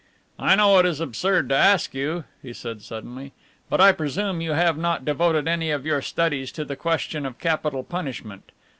"I know it is absurd to ask you," he said suddenly, "but I presume you have not devoted any of your studies to the question of capital punishment.